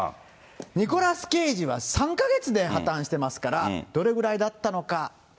ニコラス・ケイジは３か月で破綻してますから、どれぐらいだったのか。